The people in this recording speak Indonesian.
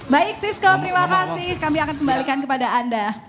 baik siska terima kasih kami akan kembalikan kepada anda